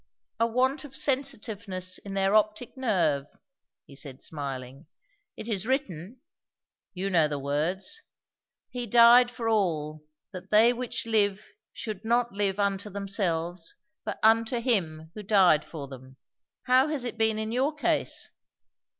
"A want of sensitiveness in their optic nerve," he said smiling. "It is written, you know the words 'He died for all, that they which live should not live unto themselves, but unto him who died for them' How has it been in your case?"